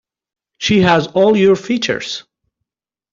She has all your features.